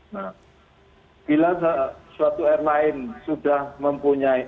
nah bila suatu airline sudah mempunyai